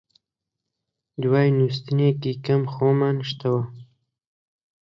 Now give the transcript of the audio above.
دوای نووستنێکی کەم خۆمان شتەوە